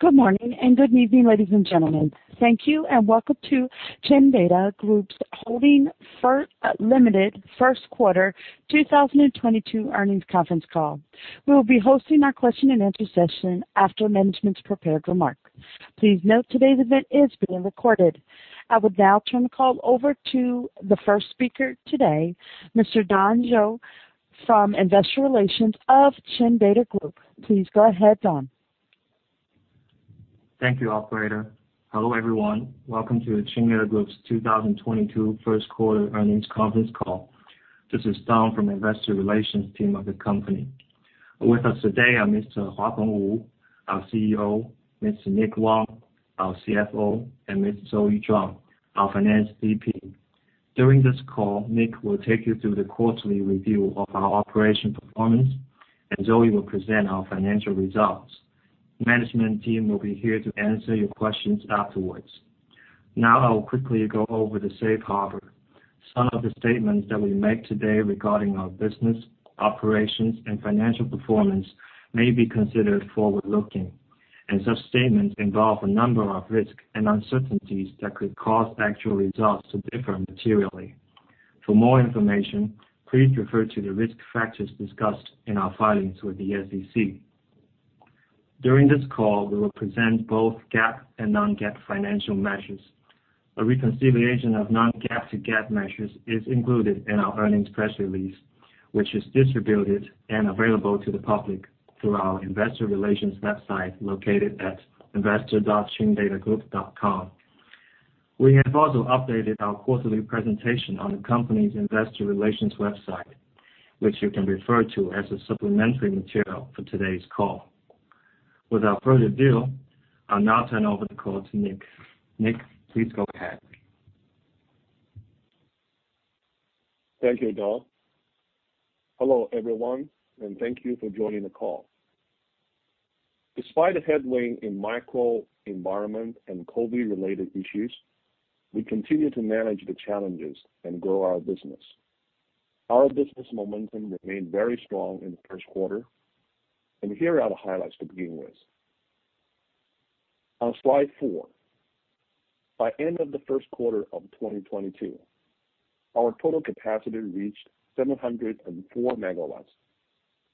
Good morning and good evening, ladies and gentlemen. Thank you, and welcome to Chindata Group Holdings Limited first quarter 2022 earnings conference call. We will be hosting our question-and-answer session after management's prepared remarks. Please note today's event is being recorded. I will now turn the call over to the first speaker today, Mr. Don Zhou from Investor Relations of Chindata Group. Please go ahead, Don. Thank you, operator. Hello, everyone. Welcome to Chindata Group's 2022 first quarter earnings conference call. This is Don from Investor Relations team of the company. With us today are Mr. Huapeng Wu, our CEO, Mr. Nick Wang, our CFO, and Ms. Zoe Zhuang, our Finance VP. During this call, Nick will take you through the quarterly review of our operational performance, and Zoe will present our financial results. Management team will be here to answer your questions afterwards. Now I'll quickly go over the safe harbor. Some of the statements that we make today regarding our business, operations, and financial performance may be considered forward-looking, and such statements involve a number of risks and uncertainties that could cause actual results to differ materially. For more information, please refer to the risk factors discussed in our filings with the SEC. During this call, we will present both GAAP and non-GAAP financial measures. A reconciliation of non-GAAP to GAAP measures is included in our earnings press release, which is distributed and available to the public through our investor relations website located at investor.chindatagroup.com. We have also updated our quarterly presentation on the company's investor relations website, which you can refer to as a supplementary material for today's call. Without further ado, I'll now turn over the call to Nick. Nick, please go ahead. Thank you, Don. Hello, everyone, and thank you for joining the call. Despite a headwind in macro environment and COVID-related issues, we continue to manage the challenges and grow our business. Our business momentum remained very strong in the first quarter, and here are the highlights to begin with. On slide 4, by end of the first quarter of 2022, our total capacity reached 704 MW,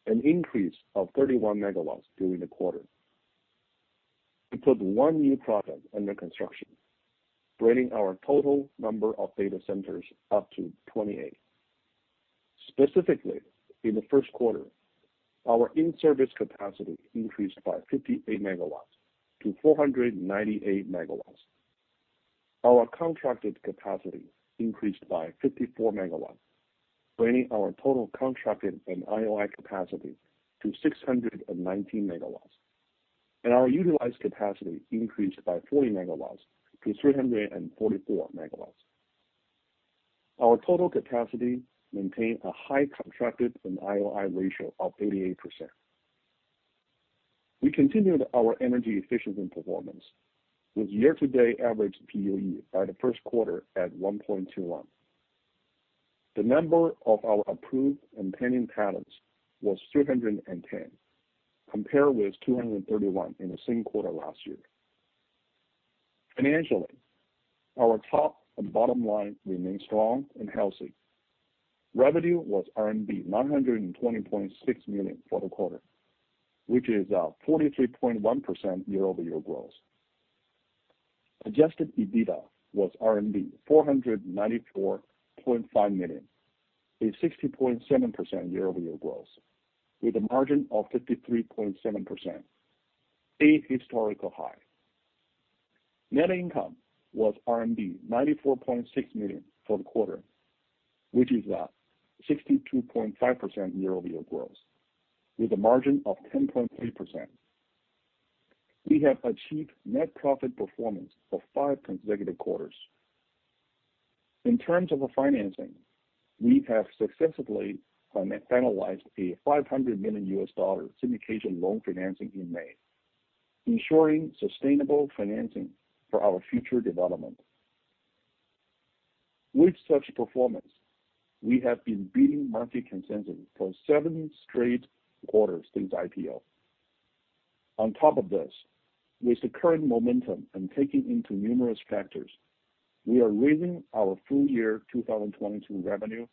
an increase of 31 MW during the quarter. We put one new project under construction, bringing our total number of data centers up to 28. Specifically, in the first quarter, our in-service capacity increased by 58 MW to 498 MW. Our contracted capacity increased by 54 MW, bringing our total contracted and IOI capacity to 619 MW. Our utilized capacity increased by 40 MW to 344 MW. Our total capacity maintained a high contracted and IOI ratio of 88%. We continued our energy efficiency performance with year-to-date average PUE by the first quarter at 1.21. The number of our approved and pending patents was 310, compared with 231 in the same quarter last year. Financially, our top and bottom line remained strong and healthy. Revenue was RMB 920.6 million for the quarter, which is a 43.1% year-over-year growth. Adjusted EBITDA was RMB 494.5 million, a 60.7% year-over-year growth with a margin of 53.7%, a historical high. Net income was 94.6 million for the quarter, which is a 62.5% year-over-year growth with a margin of 10.3%. We have achieved net profit performance for five consecutive quarters. In terms of the financing, we have successfully finalized a $500 million syndication loan financing in May, ensuring sustainable financing for our future development. With such performance, we have been beating market consensus for seven straight quarters since IPO. On top of this, with the current momentum and taking into account numerous factors, we are raising our full year 2022 revenue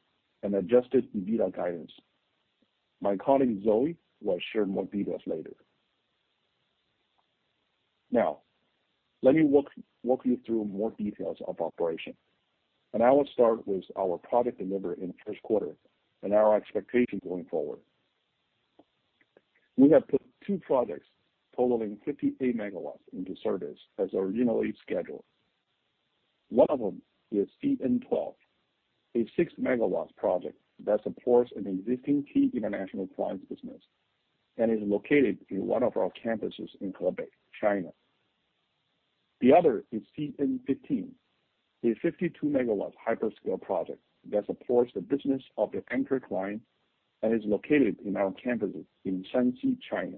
and Adjusted EBITDA guidance. My colleague, Zoe, will share more details later. Now, let me walk you through more details of operations. I will start with our project delivery in the first quarter and our expectations going forward. We have put two projects totaling 58 MW into service as originally scheduled. One of them is CN 12, a 6 MW project that supports an existing key international client's business and is located in one of our campuses in Gubei, China. The other is CN 15, a 52 MW hyperscale project that supports the business of an anchor client and is located in our campuses in Shanxi, China.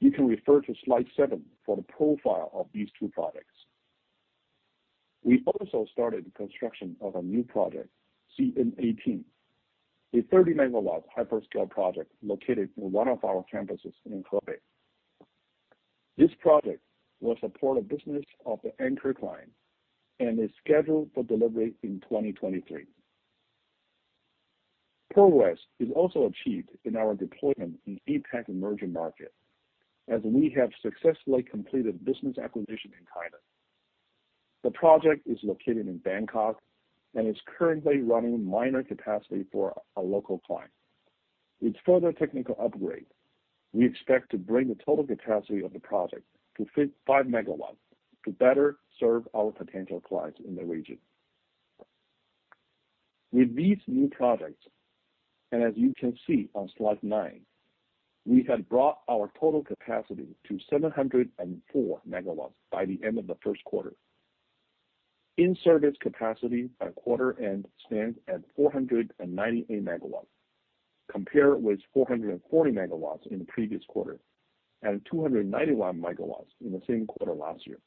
You can refer to slide 7 for the profile of these two products. We also started the construction of a new project, CN 18, a 30-MW hyperscale project located in one of our campuses in Hebei. This project will support the business of the anchor client, and is scheduled for delivery in 2023. Progress is also achieved in our deployment in APAC emerging market as we have successfully completed business acquisition in Thailand. The project is located in Bangkok and is currently running minor capacity for a local client. With further technical upgrade, we expect to bring the total capacity of the project to 55 MW to better serve our potential clients in the region. With these new projects, and as you can see on slide 9, we have brought our total capacity to 704 MW by the end of the first quarter. In-service capacity at quarter end stands at 498 MW, compared with 440 MW in the previous quarter and 291 MW in the same quarter last year.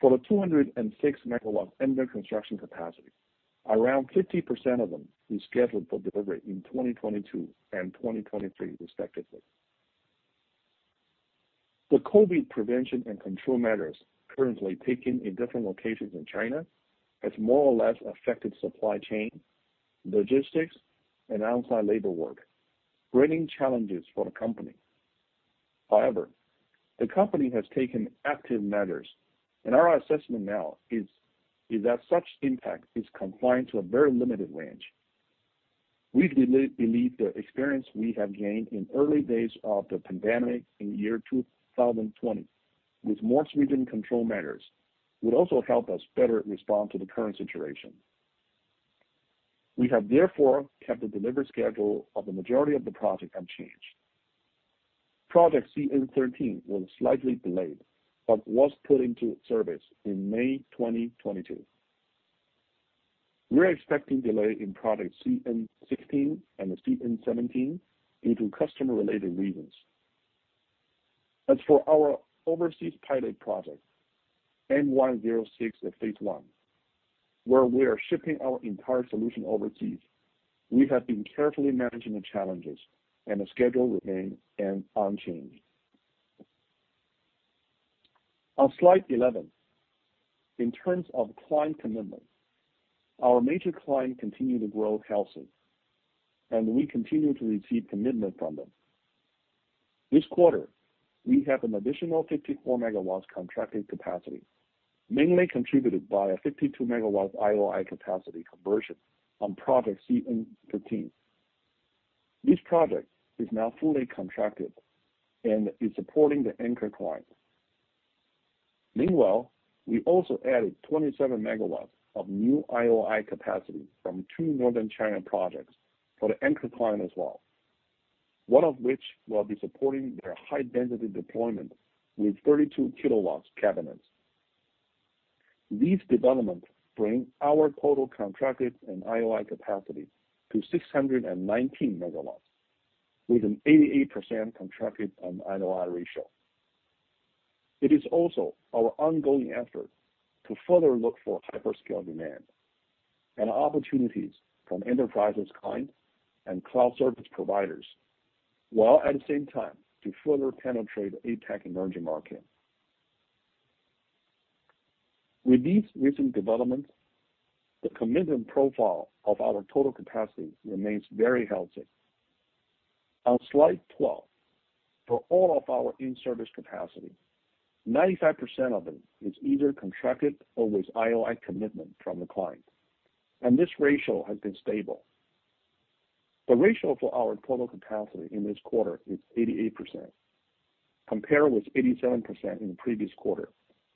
For the 206 MW under construction capacity, around 50% of them is scheduled for delivery in 2022 and 2023 respectively. The COVID prevention and control measures currently taken in different locations in China has more or less affected supply chain, logistics, and on-site labor work, bringing challenges for the company. However, the company has taken active measures and our assessment now is that such impact is confined to a very limited range. We believe the experience we have gained in early days of the pandemic in year 2020 with more stringent control measures would also help us better respond to the current situation. We have therefore kept the delivery schedule of the majority of the project unchanged. Project CN13 was slightly delayed, but was put into service in May 2022. We are expecting delay in project CN16 and the CN17 due to customer-related reasons. As for our overseas pilot project, N106 at Phase 1, where we are shipping our entire solution overseas, we have been carefully managing the challenges and the schedule remain unchanged. On slide 11. In terms of client commitment, our major client continue to grow healthy, and we continue to receive commitment from them. This quarter, we have an additional 54 MW contracted capacity, mainly contributed by a 52 MW IOI capacity conversion on project CN 13. This project is now fully contracted and is supporting the anchor client. Meanwhile, we also added 27 MW of new IOI capacity from two Northern China projects for the anchor client as well. One of which will be supporting their high-density deployment with 32 kW cabinets. These developments bring our total contracted and IOI capacity to 619 MW with an 88% contracted on IOI ratio. It is also our ongoing effort to further look for hyperscale demand and opportunities from enterprises client and cloud service providers, while at the same time to further penetrate APAC emerging market. With these recent developments, the commitment profile of our total capacity remains very healthy. On slide 12. For all of our in-service capacity, 95% of it is either contracted or with IOI commitment from the client, and this ratio has been stable. The ratio for our total capacity in this quarter is 88%, compared with 87% in the previous quarter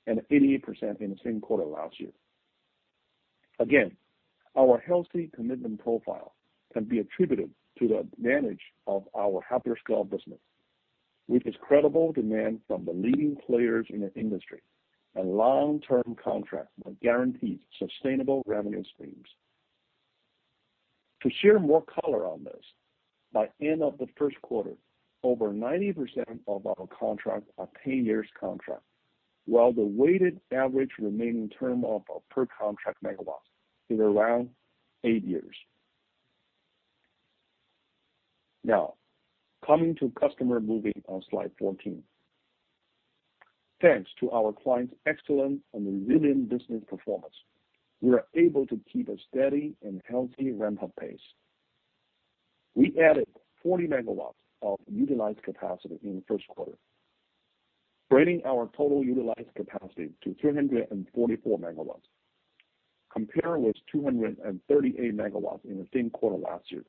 and 88% in the same quarter last year. Again, our healthy commitment profile can be attributed to the advantage of our hyperscale business, with its credible demand from the leading players in the industry and long-term contracts that guarantees sustainable revenue streams. To share more color on this, by end of the first quarter over 90% of our contract are ten-year contract, while the weighted average remaining term of our per contract megawatts is around eight years. Now, coming to customer moving on slide 14. Thanks to our clients' excellent and resilient business performance, we are able to keep a steady and healthy ramp-up pace. We added 40 MW of utilized capacity in the first quarter, bringing our total utilized capacity to 344 MW, compared with 238 MW in the same quarter last year,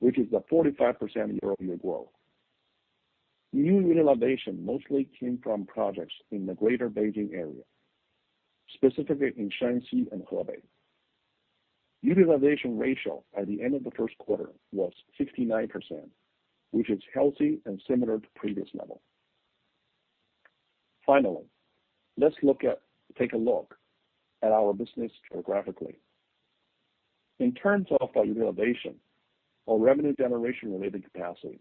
which is a 45% year-over-year growth. New utilization mostly came from projects in the Greater Beijing area, specifically in Shanxi and Hebei. Utilization ratio at the end of the first quarter was 69%, which is healthy and similar to previous level. Finally, let's take a look at our business geographically. In terms of our utilization or revenue generation-related capacity,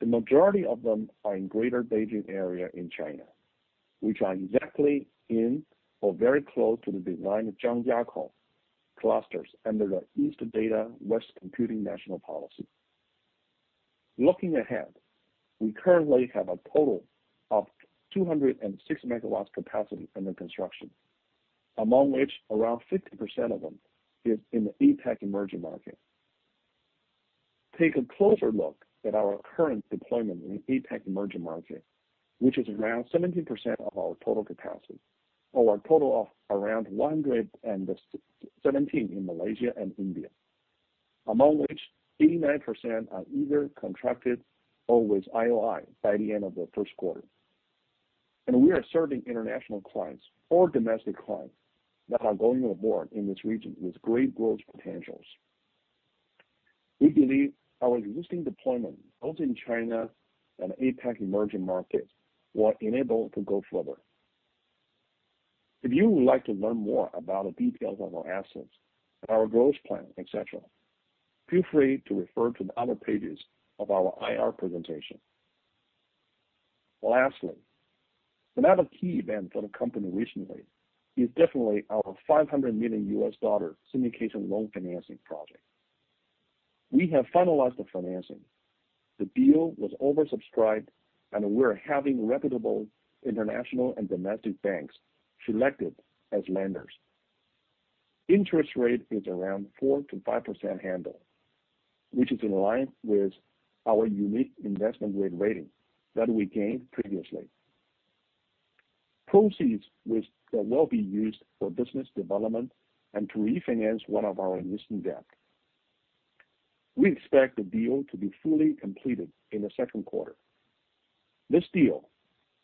the majority of them are in Greater Beijing area in China, which are exactly in or very close to the designated Zhangjiakou clusters under the East Data West Computing national policy. Looking ahead, we currently have a total of 206 MW capacity under construction, among which around 50% of them is in the APAC emerging market. Take a closer look at our current deployment in the APAC emerging market, which is around 17% of our total capacity or a total of around 117 in Malaysia and India, among which 89% are either contracted or with IOI by the end of the first quarter. We are serving international clients or domestic clients that are going abroad in this region with great growth potentials. We believe our existing deployment, both in China and APAC emerging markets, will enable to go further. If you would like to learn more about the details of our assets and our growth plan, et cetera, feel free to refer to the other pages of our IR presentation. Lastly, another key event for the company recently is definitely our $500 million syndication loan financing project. We have finalized the financing. The deal was oversubscribed, and we're having reputable international and domestic banks selected as lenders. Interest rate is around 4%-5% handle, which is in line with our unique investment-grade rating that we gained previously. Proceeds will be used for business development and to refinance one of our existing debt. We expect the deal to be fully completed in the second quarter. This deal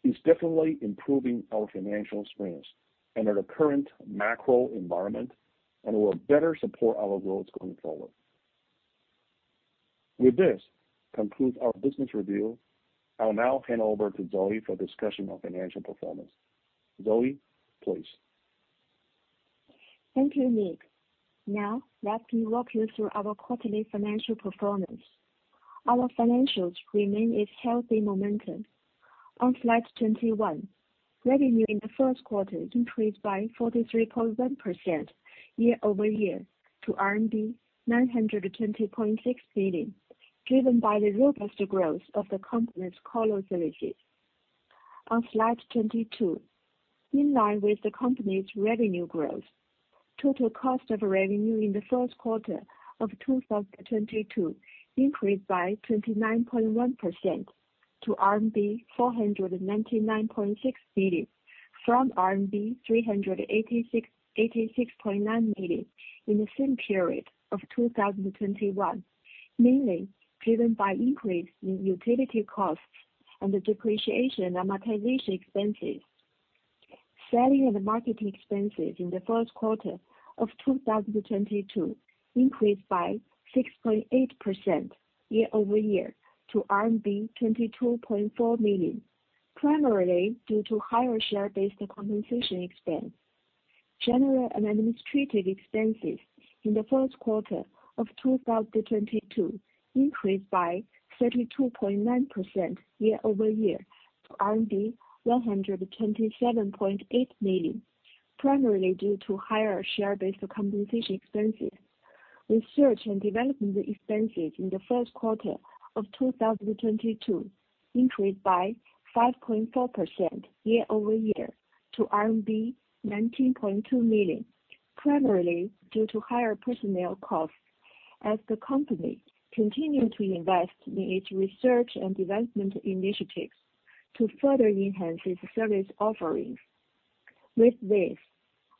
is definitely improving our financial strength under the current macro environment and will better support our growth going forward. With this, concludes our business review. I'll now hand over to Zoe for discussion of financial performance. Zoe, please. Thank you, Nick. Now, let me walk you through our quarterly financial performance. Our financials remain its healthy momentum. On slide 21, revenue in the first quarter increased by 43.1% year-over-year to RMB 920.6 million, driven by the robust growth of the company's colo services. On slide 22, in line with the company's revenue growth, total cost of revenue in the first quarter of 2022 increased by 29.1% to RMB 499.6 million from RMB 386.9 million in the same period of 2021, mainly driven by increase in utility costs and the depreciation and amortization expenses. Selling and marketing expenses in the first quarter of 2022 increased by 6.8% year-over-year to RMB 22.4 million, primarily due to higher share-based compensation expense. General and administrative expenses in the first quarter of 2022 increased by 32.9% year-over-year to RMB 127.8 million, primarily due to higher share-based compensation expenses. Research and development expenses in the first quarter of 2022 increased by 5.4% year-over-year to RMB 19.2 million, primarily due to higher personnel costs as the company continued to invest in its research and development initiatives to further enhance its service offerings. With this,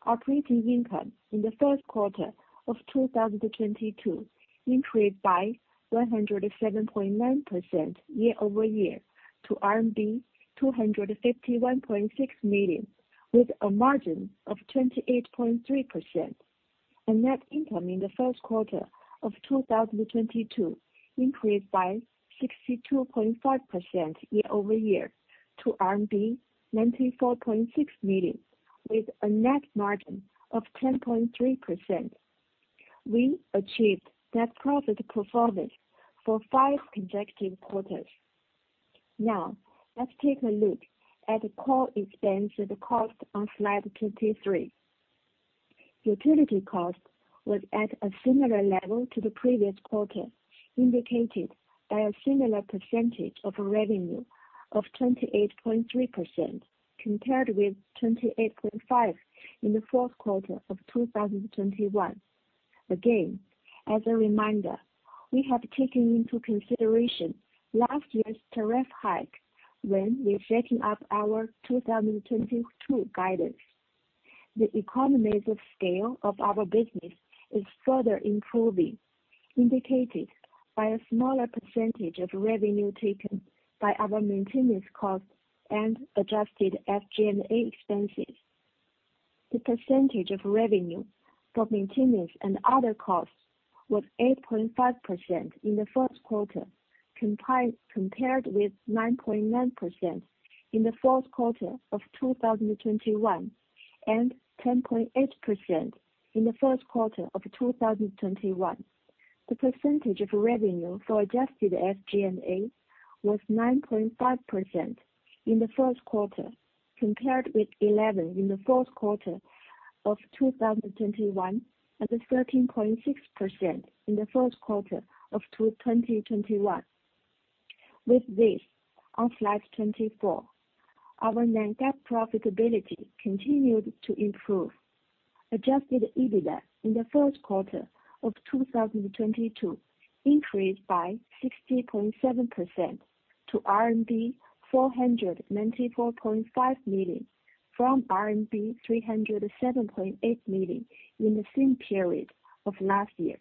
operating income in the first quarter of 2022 increased by 107.9% year-over-year to RMB 251.6 million, with a margin of 28.3%. Net income in the first quarter of 2022 increased by 62.5% year-over-year to RMB 94.6 million, with a net margin of 10.3%. We achieved net profit performance for five consecutive quarters. Now, let's take a look at core expenses cost on slide 23. Utility cost was at a similar level to the previous quarter, indicated by a similar percentage of revenue of 28.3% compared with 28.5% in the fourth quarter of 2021. Again, as a reminder, we have taken into consideration last year's tariff hike when we're setting up our 2022 guidance. The economies of scale of our business is further improving, indicated by a smaller percentage of revenue taken by our maintenance costs and Adjusted SG&A expenses. The percentage of revenue from maintenance and other costs was 8.5% in the first quarter, compared with 9.9% in the fourth quarter of 2021, and 10.8% in the first quarter of 2021. The percentage of revenue for Adjusted SG&A was 9.5% in the first quarter, compared with 11% in the fourth quarter of 2021, and 13.6% in the first quarter of 2021. With this, on slide 24, our non-GAAP profitability continued to improve. Adjusted EBITDA in the first quarter of 2022 increased by 60.7% to RMB 494.5 million, from RMB 307.8 million in the same period of last year.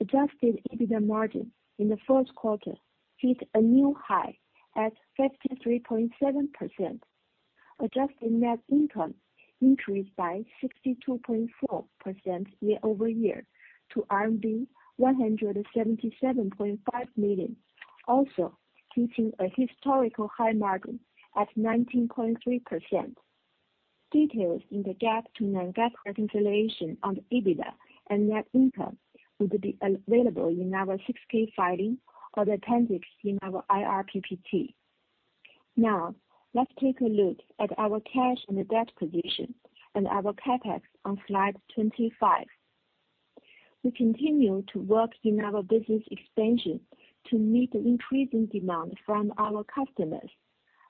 Adjusted EBITDA margin in the first quarter hit a new high at 53.7%. Adjusted net income increased by 62.4% year-over-year to RMB 177.5 million, also hitting a historical high margin at 19.3%. Details in the GAAP to non-GAAP reconciliation on EBITDA and net income will be available in our 6-K filing or the appendix in our IR PPT. Now, let's take a look at our cash and debt position and our CapEx on slide 25. We continue to work in our business expansion to meet the increasing demand from our customers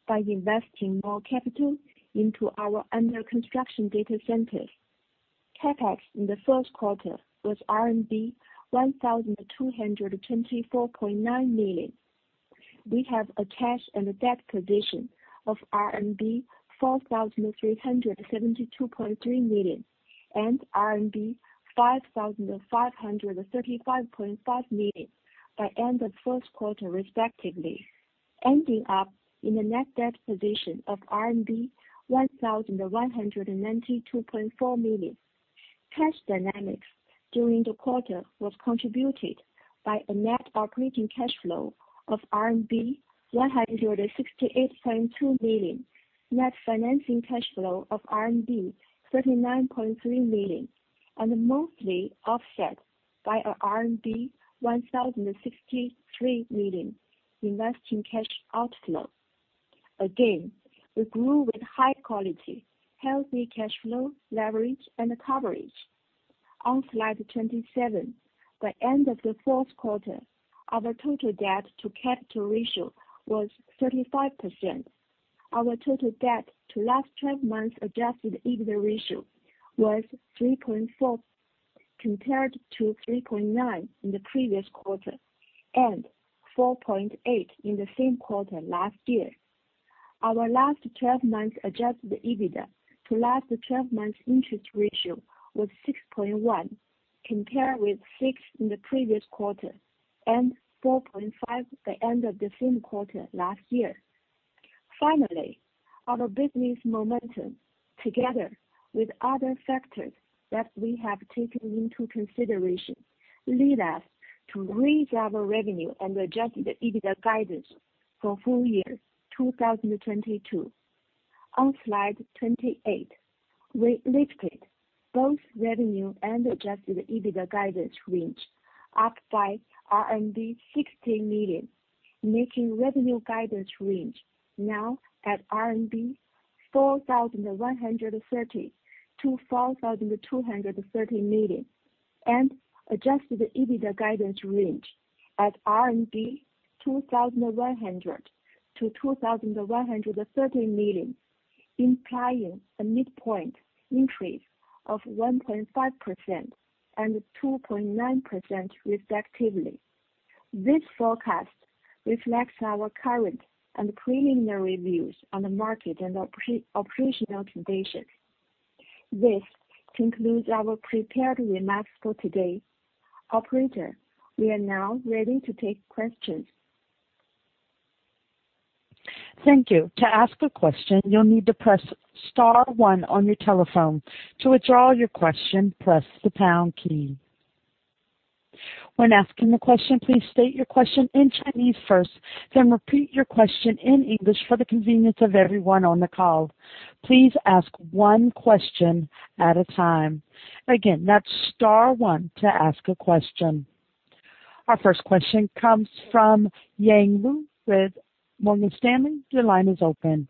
by investing more capital into our under-construction data centers. CapEx in the first quarter was RMB 1,224.9 million. We have a cash and a debt position of RMB 4,372.3 million and RMB 5,535.5 million by end of first quarter, respectively. Ending up in a net debt position of RMB 1,192.4 million. Cash dynamics during the quarter was contributed by a net operating cash flow of RMB 168.2 million, net financing cash flow of RMB 39.3 million, and mostly offset by a RMB 1,063 million investing cash outflow. Again, we grew with high quality, healthy cash flow, leverage, and coverage. On slide 27, by end of the fourth quarter, our total debt to capital ratio was 35%. Our total debt to last 12 months Adjusted EBITDA ratio was 3.4, compared to 3.9 in the previous quarter and 4.8 in the same quarter last year. Our last twelve months Adjusted EBITDA to last twelve months interest ratio was 6.1, compared with six in the previous quarter and 4.5 at the end of the same quarter last year. Finally, our business momentum, together with other factors that we have taken into consideration, lead us to raise our revenue and adjust the EBITDA guidance for full year 2022. On slide 28, we lifted both revenue and Adjusted EBITDA guidance range up by 60 million, making revenue guidance range now at 4,130 million to 4,230 million, and Adjusted EBITDA guidance range at 2,100 million to 2,130 million, implying a midpoint increase of 1.5% and 2.9% respectively. This forecast reflects our current and preliminary views on the market and operational conditions. This concludes our prepared remarks for today. Operator, we are now ready to take questions. Thank you. To ask a question, you'll need to press star one on your telephone. To withdraw your question, press the pound key. When asking a question, please state your question in Chinese first, then repeat your question in English for the convenience of everyone on the call. Please ask one question at a time. Again, that's star one to ask a question. Our first question comes from Yang Liu with Morgan Stanley. Your line is open.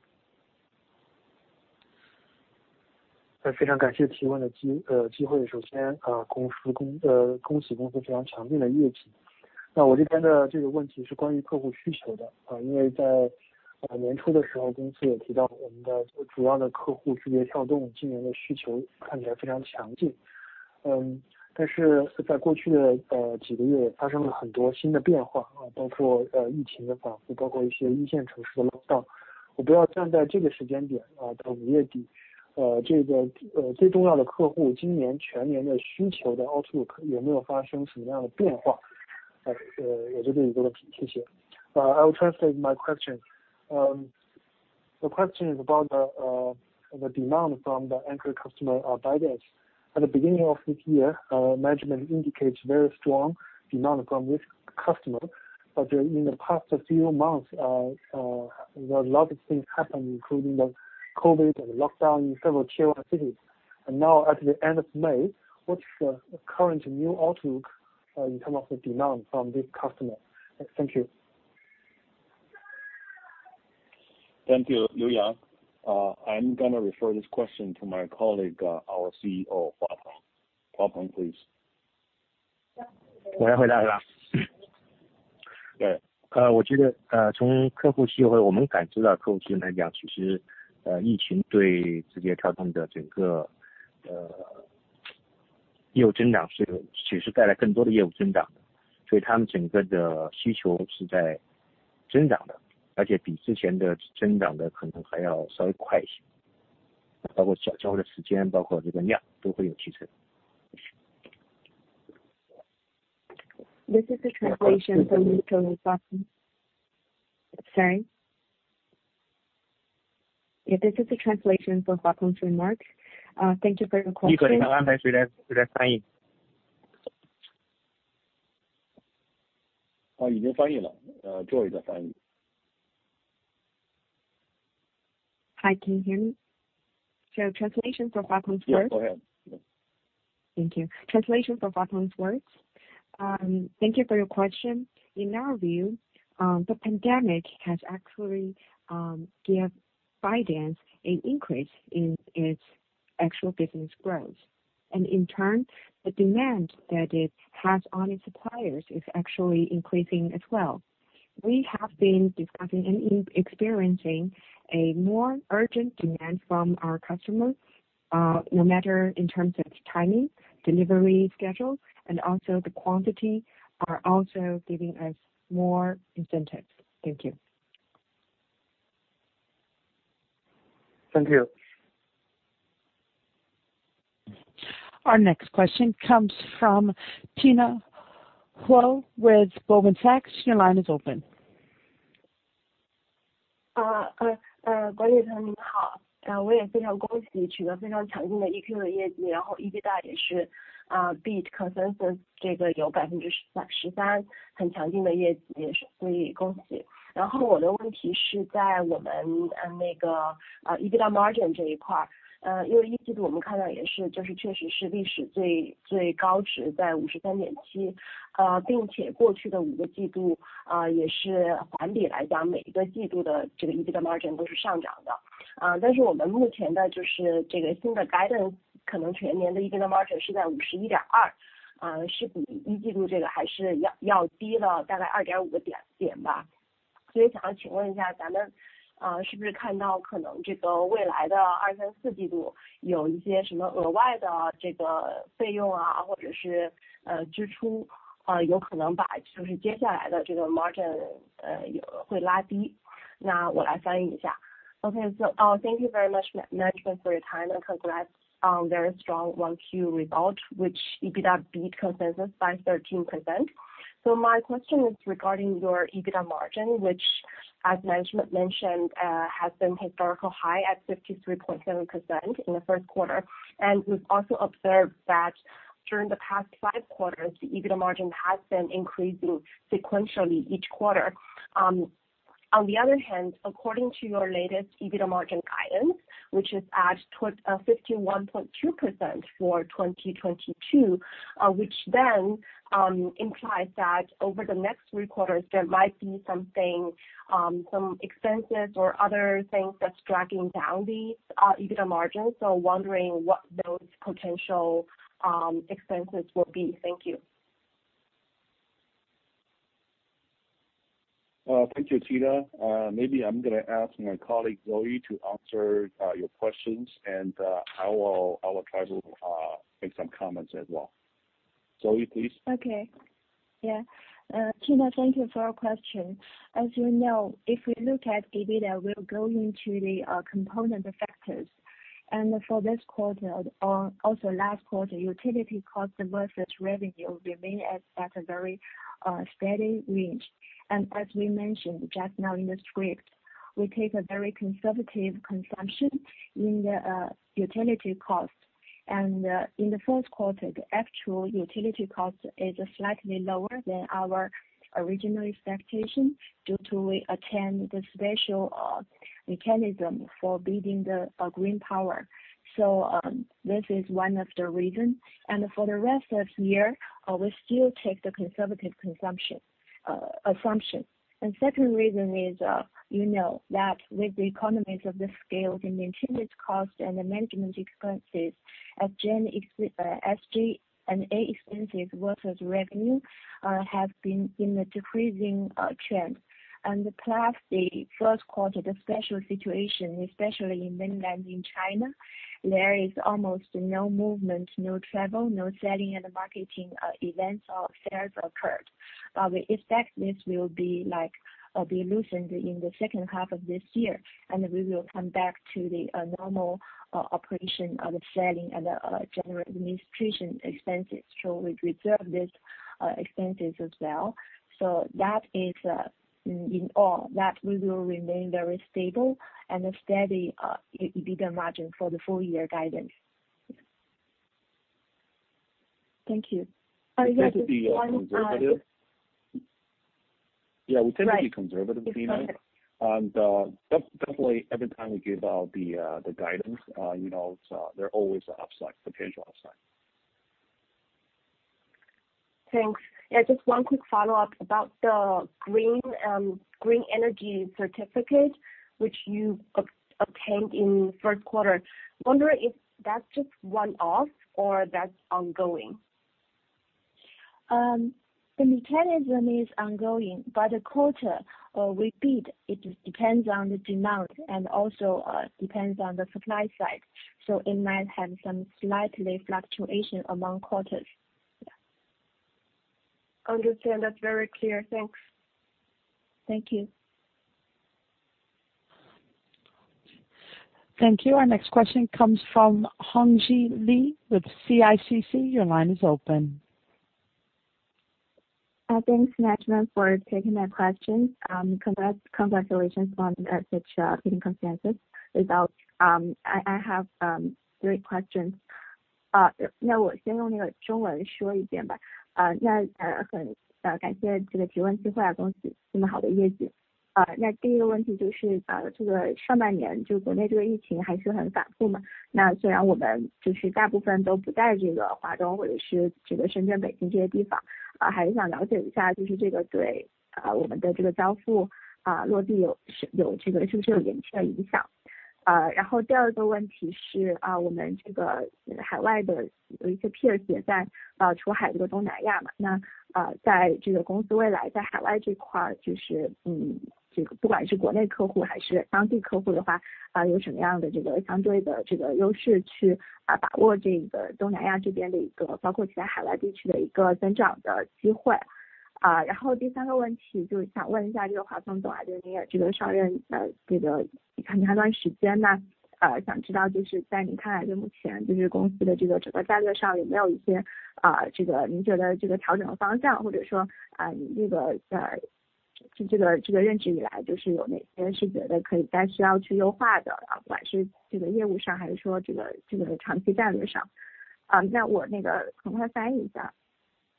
I will translate my question. The question is about the demand from the anchor customer, ByteDance. At the beginning of this year, management indicates very strong demand from this customer. But in the past few months, there are a lot of things happened, including the COVID and lockdown in several Tier 1 cities. Now at the end of May, what's the current new outlook, in term of the demand from this customer? Thank you. Thank you, Liu Yang. I'm gonna refer this question to my colleague, our CEO, Huapeng. Huapeng, please. Sorry. Yeah, this is the translation for Huapeng Wu's remark. Thank you for your question. Hi, can you hear me? Translation for Huapeng Wu's words. Yeah, go ahead. Thank you. Translation for Huapeng's words. Thank you for your question. In our view, the pandemic has actually given ByteDance an increase in its actual business growth. In turn, the demand that it has on its suppliers is actually increasing as well. We have been discussing and experiencing a more urgent demand from our customers, no matter in terms of timing, delivery schedule, and also the quantity are also giving us more incentives. Thank you. Thank you. Our next question comes from Tina Huo with BofA Sec. Your line is open. EBITDA margin. Okay. Thank you very much management for your time and congrats on very strong 1Q result which EBITDA beat consensus by 13%. My question is regarding your EBITDA margin, which as management mentioned, has been historically high at 53.7% in the first quarter. We've also observed that during the past five quarters, the EBITDA margin has been increasing sequentially each quarter. On the other hand, according to your latest EBITDA margin guidance, which is at 51.2% for 2022, which then implies that over the next three quarters, there might be something, some expenses or other things that's dragging down these EBITDA margins. Wondering what those potential expenses will be. Thank you. Thank you, Tina. Maybe I'm gonna ask my colleague, Zoe, to answer your questions, and I will try to make some comments as well. Zoe, please. Okay. Yeah. Tina, thank you for your question. As you know, if we look at EBITDA, we're going to the component factors. For this quarter, also last quarter, utility costs versus revenue remain at a very steady range. As we mentioned just now in the script, we take a very conservative consumption in the utility cost. In the first quarter, the actual utility cost is slightly lower than our original expectation due to we adopted the special mechanism for building the green power. This is one of the reason. For the rest of year, we still take the conservative consumption assumption. Second reason is, you know that with the economies of the scale, the maintenance cost and the management expenses of SG&A expenses versus revenue have been in a decreasing trend. Plus the first quarter, the special situation, especially in mainland China, there is almost no movement, no travel, no selling and marketing events or fairs occurred. We expect this will be like, be loosened in the second half of this year. We will come back to the normal operation of the selling and general administration expenses. We preserve this expenses as well. That is, in all, that we will remain very stable and a steady EBITDA margin for the full year guidance. Thank you. We tend to be conservative. Right. Yeah, we tend to be conservative, Tina. Okay. Definitely every time we give out the guidance, you know, there are always an upside, potential upside. Thanks. Yeah, just one quick follow-up about the green energy certificate, which you obtained in first quarter. Wonder if that's just one-off or that's ongoing? The mechanism is ongoing, but the quarter or repeat, it depends on the demand and also depends on the supply side. It might have some slightly fluctuation among quarters. Yeah. Understand. That's very clear. Thanks. Thank you. Thank you. Our next question comes from Hongji Li with CICC. Your line is open. Thanks management for taking my question. Congratulations on that such hitting consensus result. I have three questions.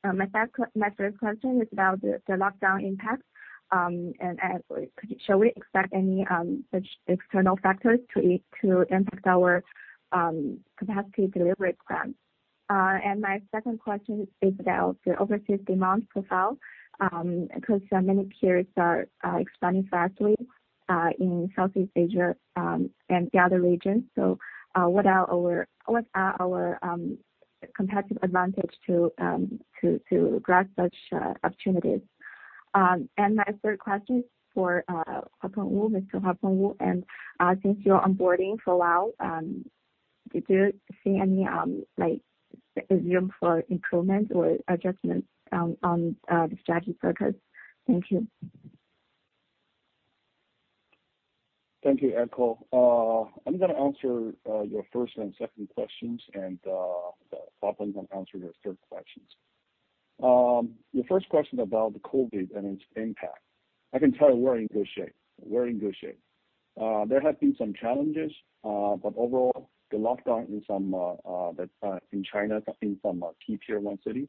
My third question is about the lockdown impact, and shall we expect any such external factors to impact our capacity delivery plans? My second question is about the overseas demand profile, because many peers are expanding rapidly in Southeast Asia and the other regions. What are our competitive advantage to grasp such opportunities? My third question is for Huapeng Wu, Mr. Huapeng Wu. Since you're onboarding for a while, did you see any like room for improvement or adjustments on the strategy focus? Thank you. Thank you, Hongji. I'm gonna answer your first and second questions, and Huapeng can answer your third questions. Your first question about the COVID and its impact. I can tell you we're in good shape. There have been some challenges, but overall, the lockdown in China, in some key Tier 1 cities,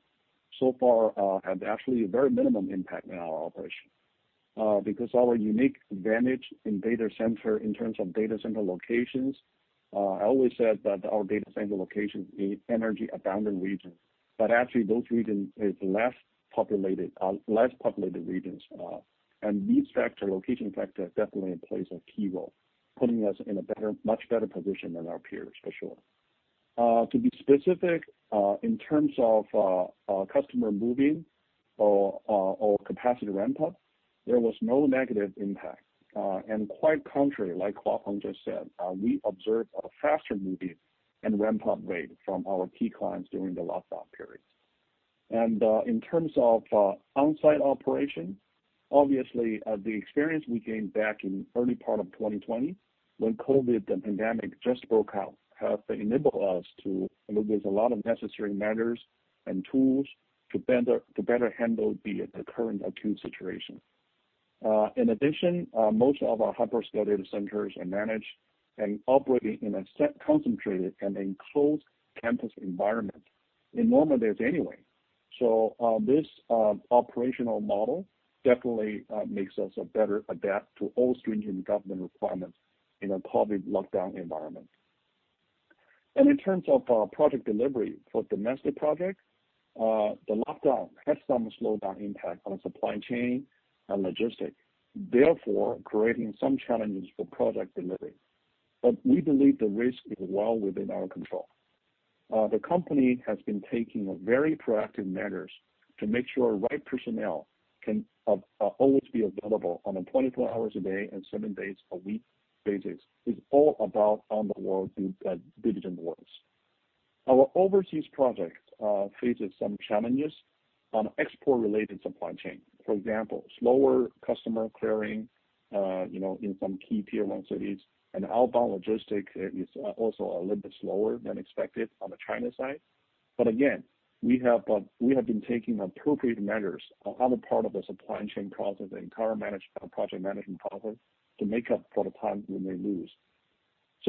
so far, have actually a very minimum impact in our operation. Because our unique advantage in data center in terms of data center locations, I always said that our data center locations in energy abundant regions. Actually those regions is less populated regions. These factor, location factor definitely plays a key role, putting us in a much better position than our peers, for sure. To be specific, in terms of customer moving or capacity ramp up, there was no negative impact. Quite contrary, like Huapeng just said, we observed a faster moving and ramp up rate from our key clients during the lockdown period. In terms of on-site operation, obviously, the experience we gained back in early part of 2020 when COVID, the pandemic just broke out, have enabled us to implement a lot of necessary measures and tools to better handle the current acute situation. In addition, most of our hyperscale data centers are managed and operating in a set, concentrated and enclosed campus environment in normal days anyway. This operational model definitely makes us better adapted to all stringent government requirements in a public lockdown environment. In terms of project delivery for domestic projects, the lockdown has some slowdown impact on supply chain and logistics, therefore creating some challenges for project delivery. We believe the risk is well within our control. The company has been taking very proactive measures to make sure right personnel can always be available on a 24 hours a day and seven days a week basis. It's all about on the world through digital worlds. Our overseas projects faces some challenges on export related supply chain. For example, slower customs clearing, you know, in some key Tier 1 cities and outbound logistics is also a little bit slower than expected on the China side. Again, we have been taking appropriate measures on other part of the supply chain process, the entire project management process to make up for the time we may lose.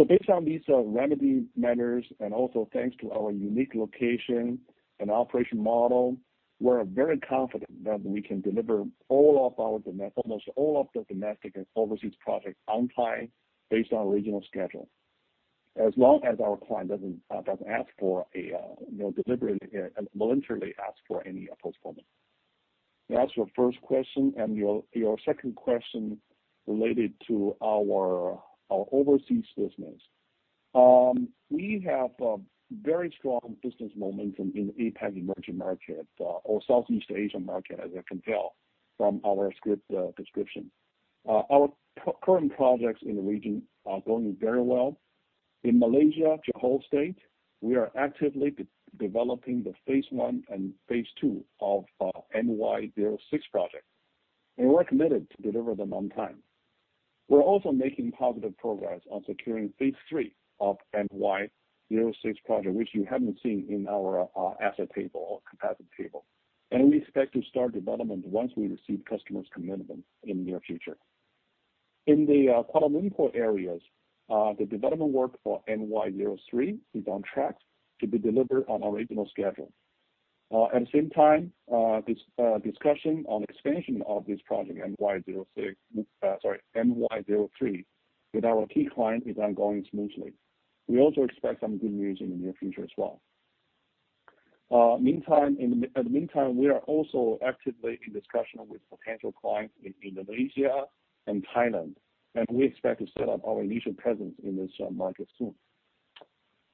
Based on these remedy measures, and also thanks to our unique location and operation model, we're very confident that we can deliver almost all of the domestic and overseas projects on time based on regional schedule. As long as our client doesn't voluntarily ask for any postponement. That's your first question and your second question related to our overseas business. We have a very strong business momentum in APAC emerging market or Southeast Asia market, as I can tell from our script description. Our current projects in the region are going very well. In Malaysia, Johor state, we are actively developing the Phase 1 and Phase 2 of MY06 project, and we're committed to deliver them on time. We're also making positive progress on securing Phase 3 of MY06 project, which you haven't seen in our asset table or capacity table. We expect to start development once we receive customer's commitment in near future. In the Kuala Lumpur areas, the development work for MY03 is on track to be delivered on original schedule. At the same time, this discussion on expansion of this project MY03 with our key client is ongoing smoothly. We also expect some good news in the near future as well. Meantime, we are also actively in discussion with potential clients in Indonesia and Thailand, and we expect to set up our initial presence in this market soon.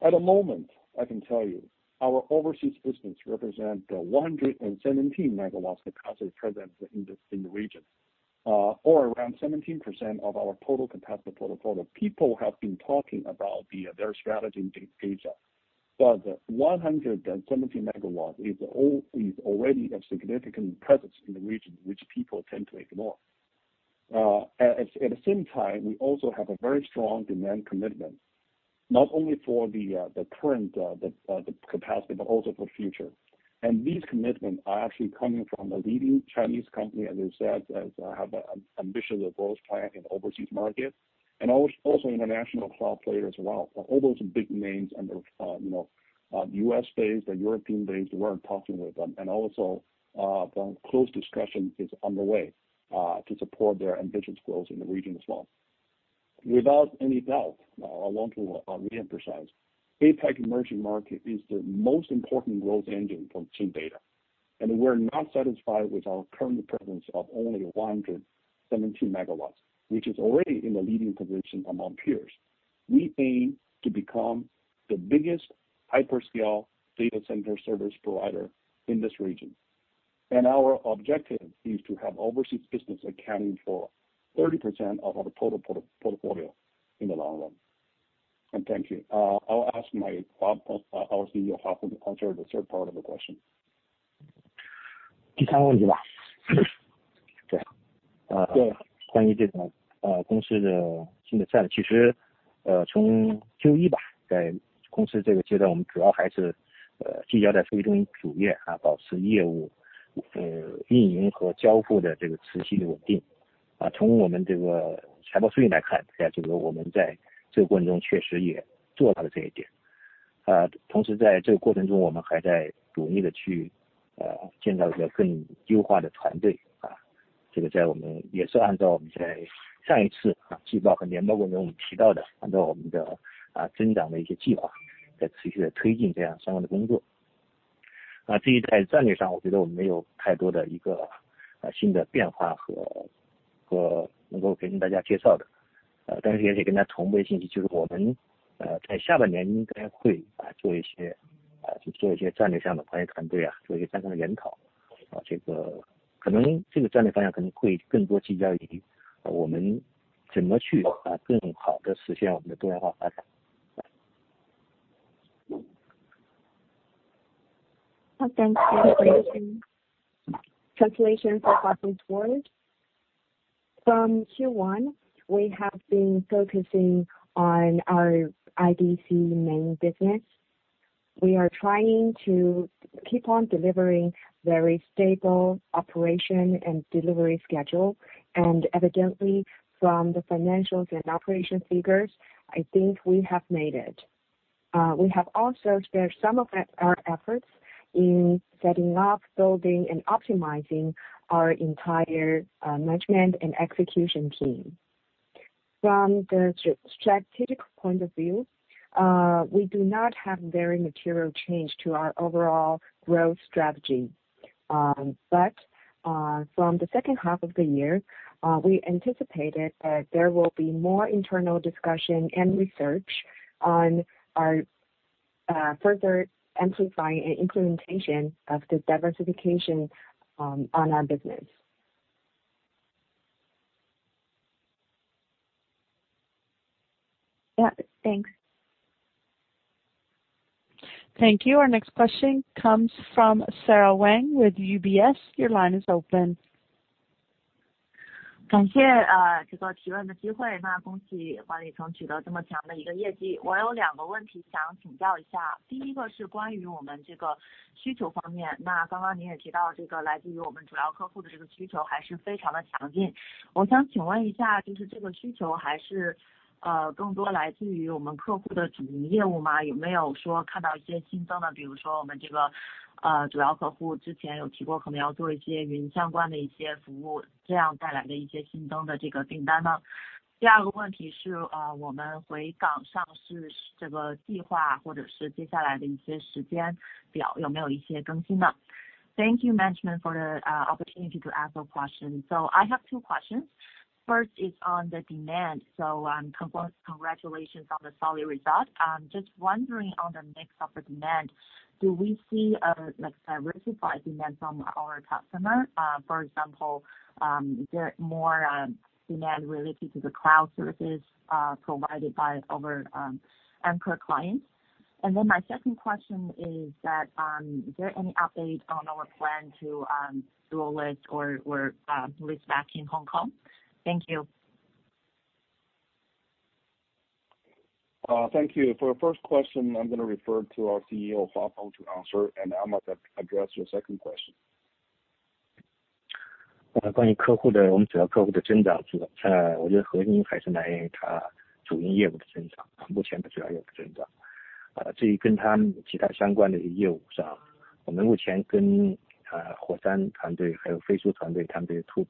At the moment, I can tell you, our overseas business represent 117 MW capacity presence in the region, or around 17% of our total capacity portfolio. People have been talking about their strategy in Asia. 117 MW is already a significant presence in the region which people tend to ignore. At the same time, we also have a very strong demand commitment, not only for the current capacity, but also for future. These commitments are actually coming from a leading Chinese company, as I said, as they have a ambitious growth plan in overseas market and also international cloud players as well. All those big names and the U.S.-based and European-based, we're in talks with them. The close discussion is underway to support their ambitious growth in the region as well. Without any doubt, I want to reemphasize, APAC emerging market is the most important growth engine for Chindata, and we're not satisfied with our current presence of only 117 MW, which is already in the leading position among peers. We aim to become the biggest hyperscale data center service provider in this region, and our objective is to have overseas business accounting for 30% of our total portfolio in the long run. Thank you. I'll ask my partner, our CEO, Huapeng Wu, to answer the third part of the question. Translation for Huapeng Wu. From Q1, we have been focusing on our IDC main business. We are trying to keep on delivering very stable operation and delivery schedule. Evidently, from the financials and operation figures, I think we have made it. We have also spent some of our efforts in setting up, building, and optimizing our entire, management and execution team. From the strategic point of view, we do not have very material change to our overall growth strategy. From the second half of the year, we anticipated that there will be more internal discussion and research on our, further amplifying and implementation of the diversification, on our business. Yeah. Thanks. Thank you. Our next question comes from Sara Wang with UBS. Your line is open. 感谢这个提问的机会，那恭喜管理层取得这么强的一个业绩。我有两个问题想请教一下，第一个是关于我们这个需求方面，那刚刚您也提到这个来自于我们主要客户的这个需求还是非常的强劲。我想请问一下，就是这个需求还是更多来自于我们客户的主营业务吗？有没有说看到一些新增的，比如说我们这个主要客户之前有提过，可能要做一些云相关的一些服务，这样带来的一些新增的这个订单呢？第二个问题是，我们回港上市这个计划，或者是接下来的一些时间表，有没有一些更新呢？Thank you management for the opportunity to ask a question. I have two questions. First is on the demand. Congratulations on the solid result. Just wondering on the next quarter demand, do we see like diversified demand from our customer, for example, is there more demand related to the cloud services provided by our anchor clients? My second question is that, is there any update on our plan to do a listing back in Hong Kong? Thank you. Thank you. For the first question, I'm gonna refer to our CEO Huapeng Wu to answer, and I'm about to address your second question. 关于客户的，我们主要客户的增长，这个我觉得核心还是来源于它主营业务的增长，目前的主要业务增长。至于跟他们其他相关的业务上，我们目前跟火山团队还有飞书团队，To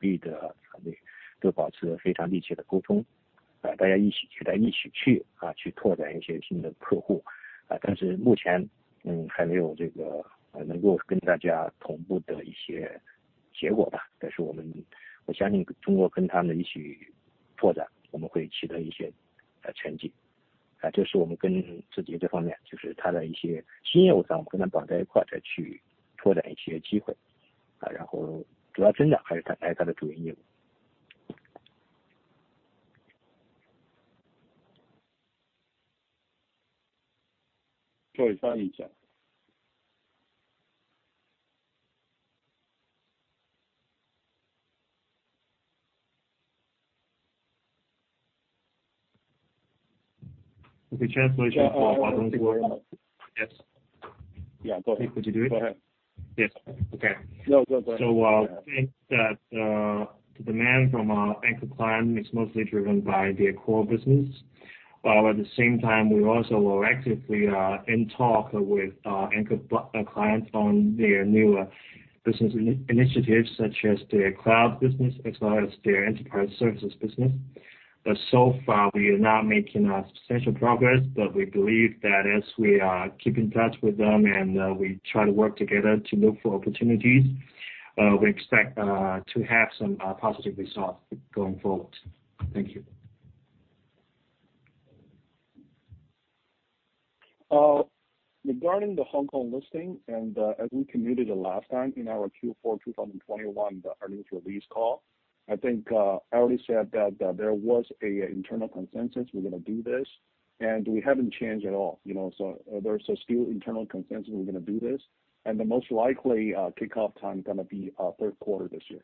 可以翻译一下。Yes. Yeah, go ahead. Could you do it? Go ahead. Yes. Okay. No, go ahead. I think that the demand from our anchor client is mostly driven by their core business, while at the same time we also were actively in talks with our anchor clients on their new business initiatives such as their cloud business as well as their enterprise services business. So far, we are not making substantial progress, but we believe that as we keep in touch with them and we try to work together to look for opportunities, we expect to have some positive results going forward. Thank you. Regarding the Hong Kong listing and as we committed the last time in our Q4 2021 earnings release call, I think I already said that there was an internal consensus we're gonna do this, and we haven't changed at all, you know. There's still internal consensus we're gonna do this, and the most likely kickoff time gonna be third quarter this year.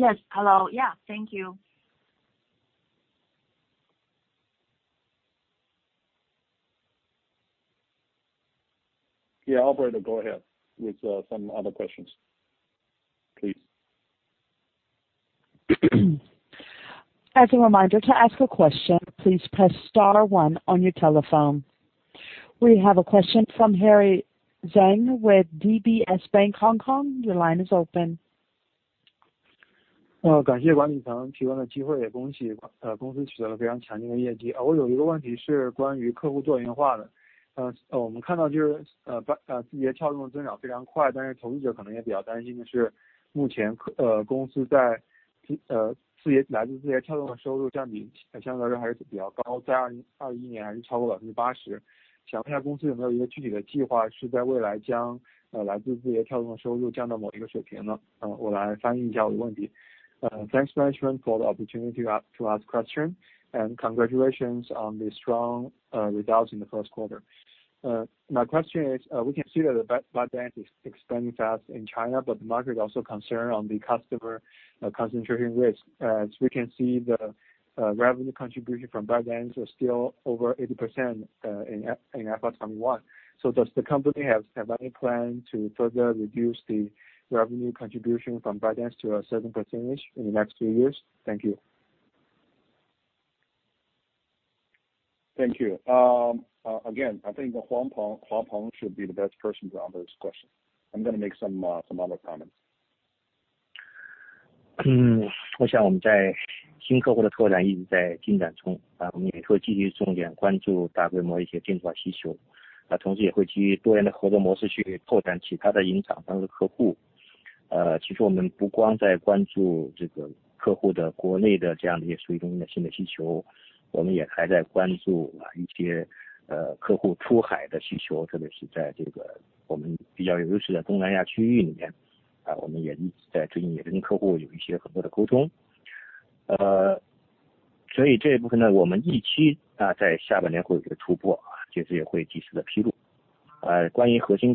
Hello? Yes, hello. Yeah, thank you. Yeah. Operator, go ahead with some other questions, please. As a reminder to ask a question, please press star one on your telephone. We have a question from Harry Zhuang with DBS Bank Hong Kong. Your line is open. 感谢管理层提供的机会，恭喜公司取得了非常强劲的业绩。我有一个问题是关于客户多元化的。我们看到就是字节跳动增长非常快，但是投资者可能也比较担心的是目前公司来自字节跳动的收入占比相对来说还是比较高，在2021年还是超过了80%。想问下公司有没有一个具体的计划是在未来将来自字节跳动的收入降到某一个水平呢？我来翻译一下我的问题。Thanks management for the opportunity to ask question and congratulations on the strong results in the first quarter. My question is we can see that ByteDance is expanding fast in China, but the market also concerned on the customer concentration risk. As we can see the revenue contribution from ByteDance are still over 80% in FY 2021. Does the company have any plan to further reduce the revenue contribution from ByteDance to a certain percentage in the next few years? Thank you. Thank you. Again, I think Huapeng Wu should be the best person to answer this question. I'm gonna make some other comments. We're making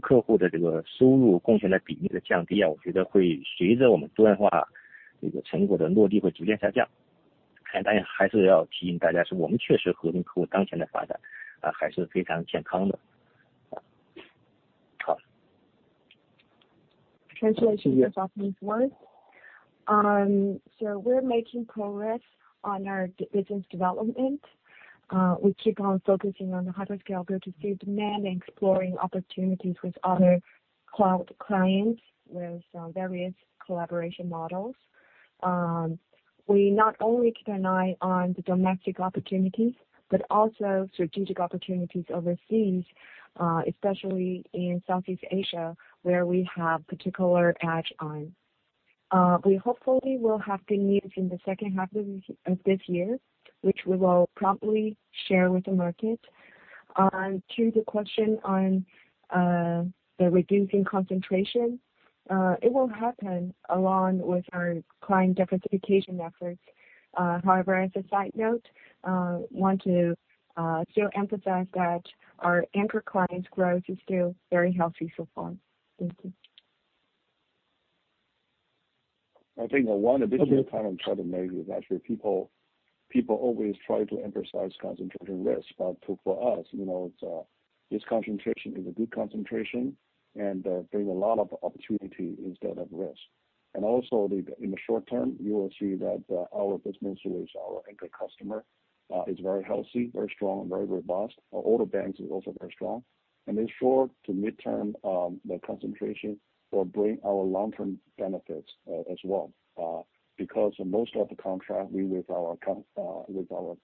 progress on our data business development. We keep on focusing on the hyperscalers' demand and exploring opportunities with other cloud clients with some various collaboration models. We not only keep an eye on the domestic opportunities, but also strategic opportunities overseas, especially in Southeast Asia, where we have particular edge on. We hopefully will have good news in the second half of this year, which we will promptly share with the market. On to the question on the reducing concentration, it will happen along with our client diversification efforts. However, as a side note, want to still emphasize that our anchor clients' growth is still very healthy so far. Thank you. I think the one additional point I'll try to make is actually people always try to emphasize concentration risk. For us, you know, it's this concentration is a good concentration, and bring a lot of opportunity instead of risk. In the short term, you will see that our business, which is our anchor customer, is very healthy, very strong, very robust. Our other business is also very strong. In short to midterm, the concentration will bring our long-term benefits, as well, because most of the contract we with our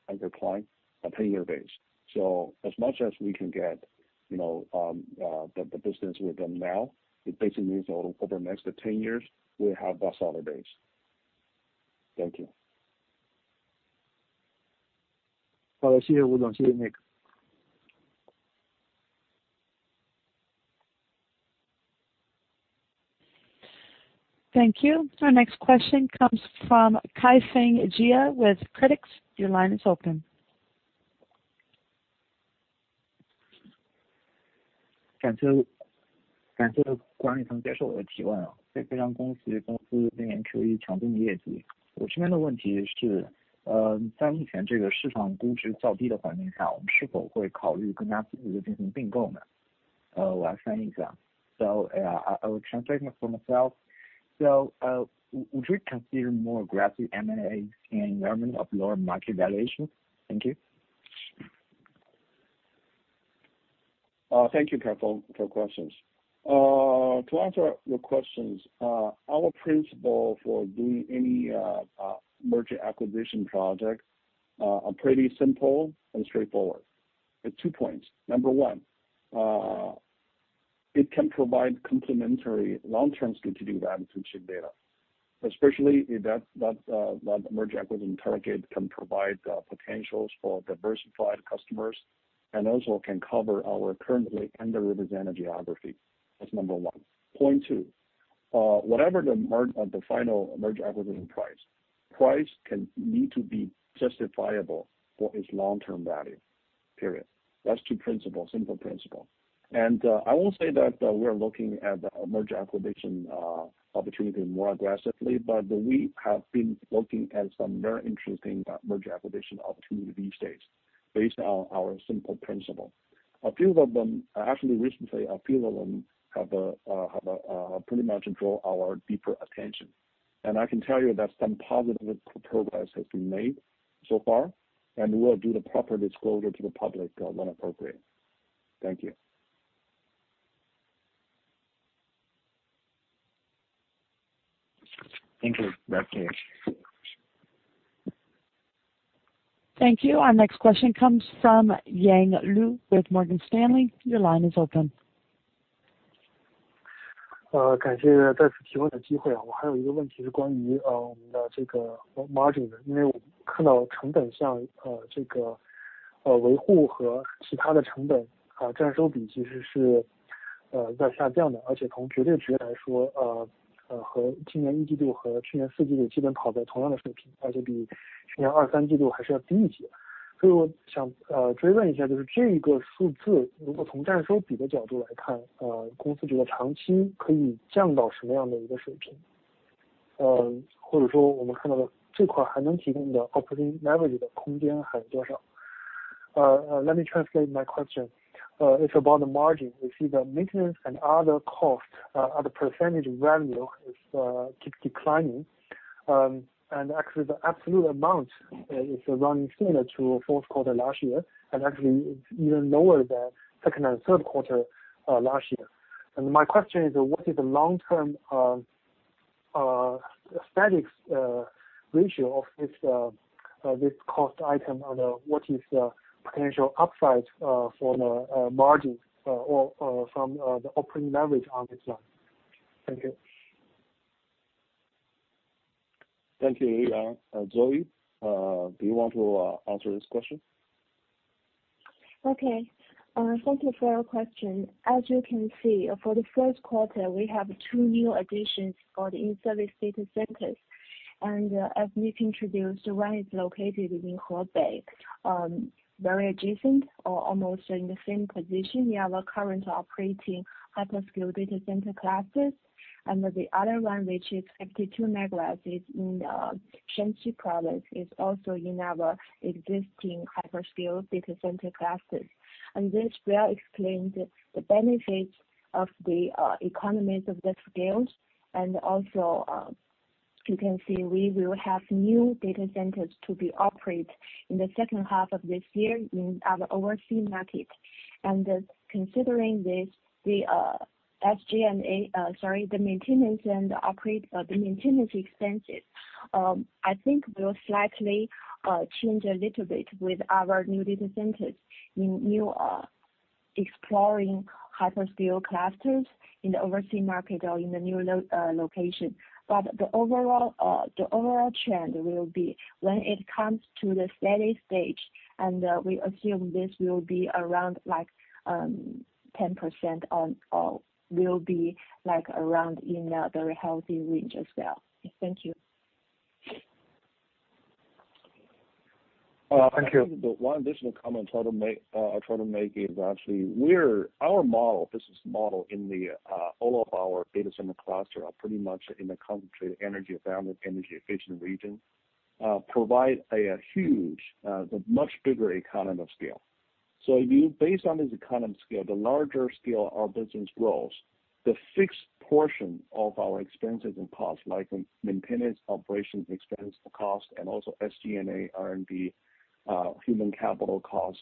anchor client are 10-year based. As much as we can get, you know, the business with them now, it basically means over the next 10 years, we have a solid base. Thank you. Thank you. Our next question comes from Kaifeng Jia with Citi. Your line is open. 感谢管理层接受我的提问。非常恭喜公司今年取得强劲的业绩。我这边的问题是，在目前这个市场估值较低的环境下，我们是否会考虑更加积极地进行并购呢？我来翻译一下。Would you consider more aggressive M&A in environment of lower market valuation? Thank you. Thank you, Kaifeng, for your questions. To answer your questions, our principle for doing any merger acquisition project are pretty simple and straightforward. There are two points. Number one, it can provide complementary long-term strategic value to JDA, especially if that merger acquisition target can provide potentials for diversified customers, and also can cover our currently underrepresented geography. That's number one. Point two, whatever the final merger acquisition price can need to be justifiable for its long-term value. Period. That's two principles, simple principle. I won't say that we're looking at a merger acquisition opportunity more aggressively, but we have been looking at some very interesting merger acquisition opportunity these days based on our simple principle. A few of them, actually recently, a few of them have pretty much drawn our deeper attention. I can tell you that some positive progress has been made so far, and we will do the proper disclosure to the public when appropriate. Thank you. Thank you. Back to you. Thank you. Our next question comes from Yang Liu with Morgan Stanley. Your line is open. 谢谢再次提供机会。我还有一个问题是关于我们的这个 margin 的，因为我看到成本项，维护和其他的成本，占收比其实是在下降的，而且从绝对值来说，和今年一季度和去年四季度基本跑在同样的水平，而且比去年二、三季度还是要低一些。所以我想，追问一下，就是这个数字如果从占收比的角度来看，公司觉得长期可以降到什么样的一个水平？或者说我们看到的那块还能提供的 operating leverage 的空间还有多少？Let me translate my question. It's about the margin. We see the maintenance and other costs as a percentage of revenue is keep declining. Actually the absolute amount is running similar to fourth quarter last year, and actually it's even lower than second and third quarter last year. My question is, what is the long term target ratio of this cost item, what is the potential upside from a margin or from the operating leverage on this line? Thank you. Thank you, Yang. Zoe, do you want to answer this question? Okay. Thank you for your question. As you can see, for the first quarter, we have two new additions for the in-service data centers. As Nick introduced, one is located in Hebei, very adjacent or almost in the same position. We have a current operating hyperscale data center classes, and the other one, which is 52 MW, is in Shanxi province, is also in our existing hyperscale data center classes. This well explained the benefits of the economies of that scales. You can see we will have new data centers to be operate in the second half of this year in our overseas market. Considering this, the maintenance and operate. The maintenance expenses, I think, will slightly change a little bit with our new data centers in new exploring hyperscale clusters in the overseas market or in the new location. The overall trend will be when it comes to the steady stage, and we assume this will be around like 10% on all, will be like around in a very healthy range as well. Thank you. Thank you. One additional comment I'll try to make is actually our business model in all of our data center cluster are pretty much in a concentrated energy-abundant, energy-efficient region, provide a huge, the much bigger economy of scale. Based on this economy scale, the larger scale our business grows, the fixed portion of our expenses and costs, like maintenance, operations, expense costs and also SG&A, R&D, human capital costs,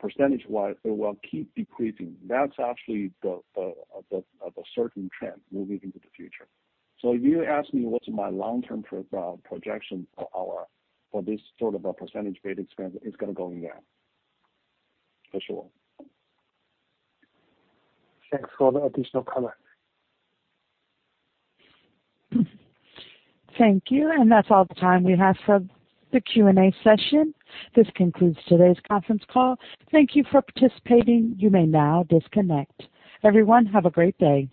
percentage-wise, it will keep decreasing. That's actually the certain trend moving into the future. If you ask me what's my long-term projection for our, for this sort of a percentage-based expense, it's gonna go down for sure. Thanks for the additional comment. Thank you. That's all the time we have for the Q&A session. This concludes today's conference call. Thank you for participating. You may now disconnect. Everyone, have a great day.